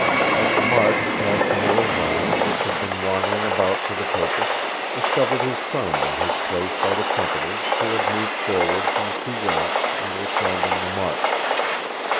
At the march past the miller's eye, which had been wandering about for the purpose, discovered his son in his place by the trumpeters, who had moved forwards in two ranks, and were sounding the march.